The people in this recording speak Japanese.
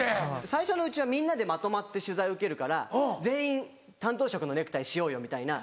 最初のうちはみんなでまとまって取材を受けるから全員担当色のネクタイしようよみたいな。